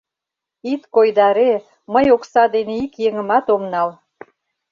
Ит койдаре, мый окса дене ик еҥымат ом нал!